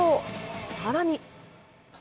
さらに。